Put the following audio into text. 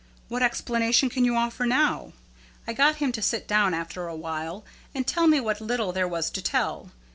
What explanation can you offer now?" I got him to sit down after a while and tell me what little there was to tell.